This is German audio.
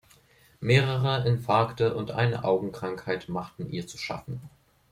Mehrere Infarkte und eine Augenkrankheit machten ihr zu schaffen.